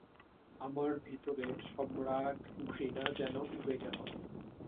আমার ভিতরের সব রাগ, ঘৃণা যেন উবে গেল।